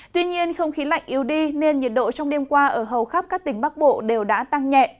tuy nhiên không khí lạnh yếu đi nên nhiệt độ trong đêm qua ở hầu khắp các tỉnh bắc bộ đều đã tăng nhẹ